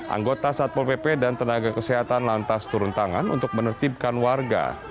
anggota satpol pp dan tenaga kesehatan lantas turun tangan untuk menertibkan warga